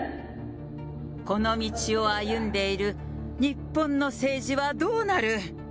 この道を歩んでいる日本の政治はどうなる？